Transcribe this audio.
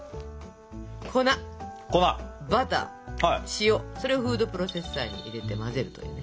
粉バター塩それをフードプロセッサーに入れて混ぜるというね。